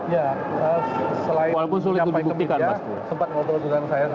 ya selain nyampaikan kemitra sempat ngobrol dengan saya